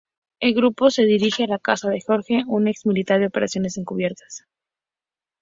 El grupo se dirige a la casa de George, un ex-militar de operaciones encubiertas.